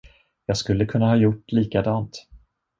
Jag skulle kunna ha gjort likadant.